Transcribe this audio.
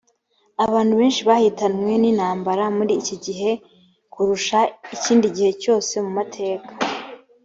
abantu benshi bahitanywe n intambara muri iki gihe kurusha ikindi gihe cyose mu mateka